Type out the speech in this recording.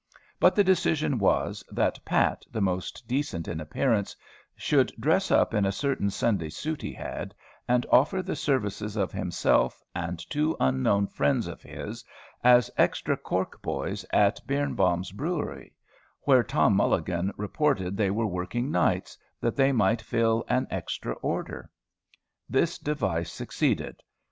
But the decision was, that Pat, the most decent in appearance, should dress up in a certain Sunday suit he had, and offer the services of himself, and two unknown friends of his, as extra cork boys at Birnebaum's brewery, where Tom Mulligan reported they were working nights, that they might fill an extra order. This device succeeded.